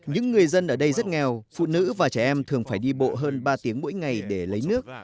những người dân ở đây rất nghèo phụ nữ và trẻ em thường phải đi bộ hơn ba tiếng mỗi ngày để lấy nước